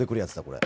これ。